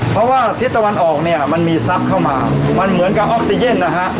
เพราะว่าทิศตะวันออกเนี่ยมันมีทรัพย์เข้ามามันเหมือนกับออกซีเย็นนะฮะ